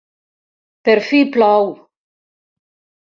Per fi plou!